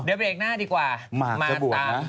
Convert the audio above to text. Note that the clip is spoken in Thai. เดี๋ยวเบรกหน้าดีกว่ามาตาม